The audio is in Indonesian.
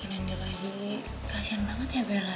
begini lagi kasihan banget ya bella